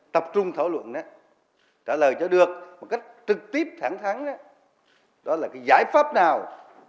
tập trung thảo luận trả lời cho được một cách trực tiếp thẳng thắng đó là cái giải pháp nào